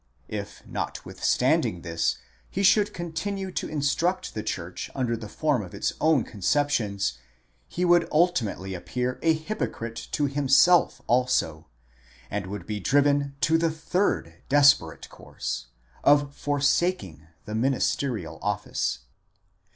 If not withstanding this, he should continue to instruct the church under the form of its own conceptions, he would ultimately appear a hypocrite to himself also, and would be driven to the third, desperate course, of forsaking the ministerial office.